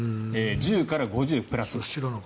１０から５０プラス。